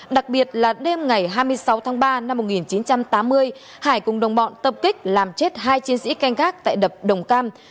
đặc biệt là đêm ngày hai mươi sáu tháng ba năm một nghìn chín trăm tám mươi hải cùng đồng bọn tập kích làm chết hai chiến sĩ canh gác tại đập đồng cam